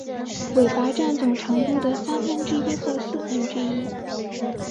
尾巴占总长度的三分之一或四分之一。